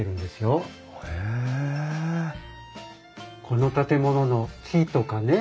この建物の木とかね